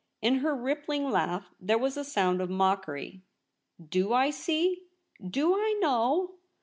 In her rippling laugh there was a sound of mockery. * Do I see ? Do I know